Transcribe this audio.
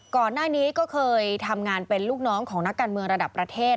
ก่อนหน้านี้ก็เคยทำงานเป็นลูกน้องของนักการเมืองระดับประเทศ